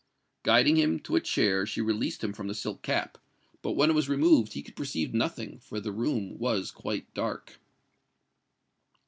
Guiding him to a chair, she released him from the silk cap; but when it was removed, he could perceive nothing—for the room was quite dark.